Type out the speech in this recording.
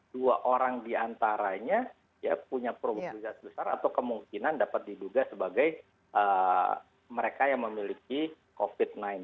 dua orang diantaranya punya probabilitas besar atau kemungkinan dapat diduga sebagai mereka yang memiliki covid sembilan belas